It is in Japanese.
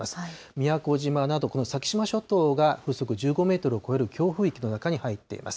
宮古島など、この先島諸島が風速１５メートルを超える強風域の中に入っています。